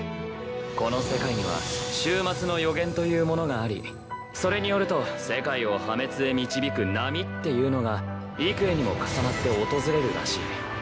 この世界には終末の予言というものがありそれによると世界を破滅へ導く波っていうのが幾重にも重なって訪れるらしい。